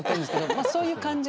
まあそういう感じね。